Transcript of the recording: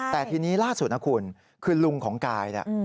แต่ทีนี้ล่าสุดนะคุณคือลุงของกายเนี่ย